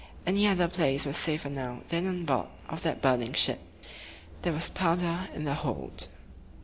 Any other place was safer now than on board of that burning ship. There was powder in the hold.